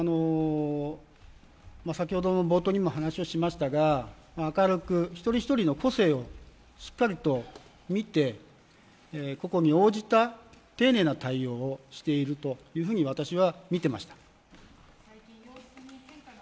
先ほどの冒頭にも話をしましたが明るく一人ひとりの個性をしっかりと見て個々に応じた、丁寧な対応をしているというふうに私は見ていました。